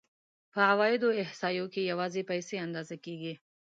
په عوایدو احصایو کې یوازې پیسې اندازه کېږي